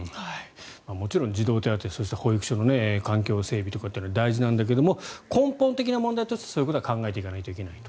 もちろん児童手当そして保育所の環境整備とかは大事なんだけども根本的な問題としてそういうことは考えていかないといけないと。